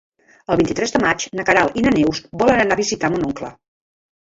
El vint-i-tres de maig na Queralt i na Neus volen anar a visitar mon oncle.